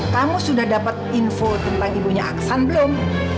kamu sudah dapat info tentang ibunya aksan belum